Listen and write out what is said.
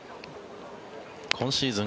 今シーズン